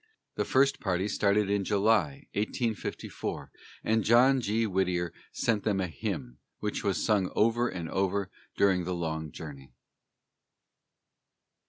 The first party started in July, 1854, and John G. Whittier sent them a hymn, which was sung over and over during the long journey.